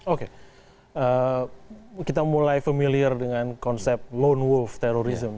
oke kita mulai familiar dengan konsep lone wolf terrorism